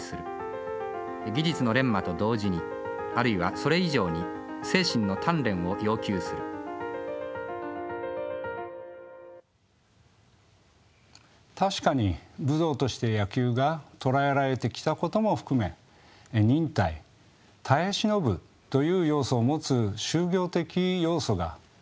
技術の錬磨と同時にあるいはそれ以上に精神の鍛錬を要求する確かに武道として野球が捉えられてきたことも含め「忍耐」耐え忍ぶという要素を持つ修行的要素が歴史的には存在しました。